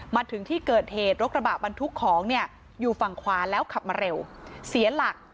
มาถึงที่เกิดเหตุรถกระบะบรรทุกของเนี่ยอยู่ฝั่งขวาแล้วขับมาเร็วเสียหลัก